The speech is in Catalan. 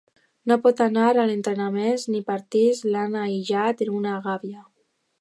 No pot anar a entrenaments ni partits, l’han aïllat en una gàbia.